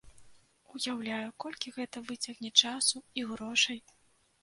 Уяўляю, колькі гэта выцягне часу і грошай.